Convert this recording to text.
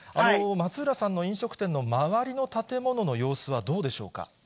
松浦さんの飲食店の周りの建物の様子はどうでしょうか？